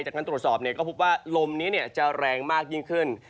จากการตรวจสอบก็พบว่าลมนี้จะแรงมากยิ่งขึ้น